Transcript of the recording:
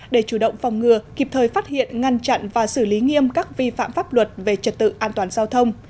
để chủ động phòng ngừa kịp thời phát hiện ngăn chặn và xử lý nghiêm các vi phạm pháp luật về trật tự an toàn giao thông